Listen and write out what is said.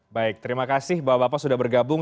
baik terima kasih bapak bapak sudah bergabung